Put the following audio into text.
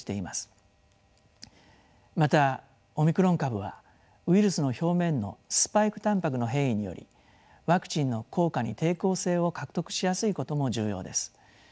またオミクロン株はウイルスの表面のスパイク蛋白の変異によりワクチンの効果に抵抗性を獲得しやすいことも重要です。